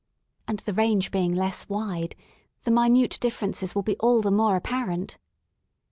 And the range being less wide, the minute differences will be all the more apparent.